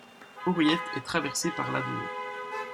Hauriet est traversé par l’Adour.